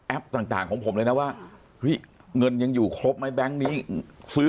ต่างของผมเลยนะว่าเฮ้ยเงินยังอยู่ครบไหมแบงค์นี้ซื้อ